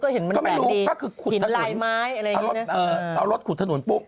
ก็เห็นมันแบบดีหินลายไม้อะไรอย่างนี้เนี่ยเออเอารถขุดถนุน